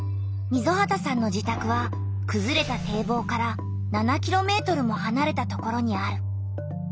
溝端さんの自たくはくずれた堤防から７ｋｍもはなれたところにある。